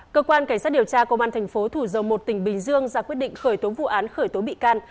cơ quan cảnh sát điều tra công an thành phố thủ dầu một tỉnh bình dương ra quyết định khởi tố vụ án khởi tố bị can